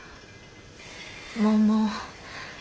もも。